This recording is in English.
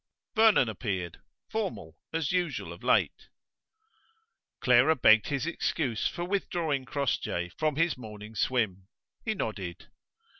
Vernon appeared, formal as usual of late. Clara begged his excuse for withdrawing Crossjay from his morning swim. He nodded.